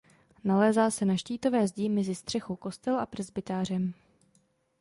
Nalézá se na štítové zdi mezi střechou kostela a presbytářem.